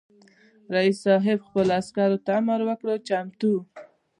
رئیس جمهور خپلو عسکرو ته امر وکړ؛ چمتو!